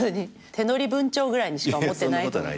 手乗り文鳥ぐらいにしか思ってないと思う。